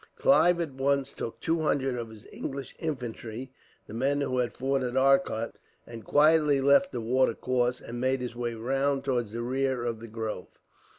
Clive at once took two hundred of his English infantry, the men who had fought at Arcot, and quietly left the watercourse and made his way round towards the rear of the grove.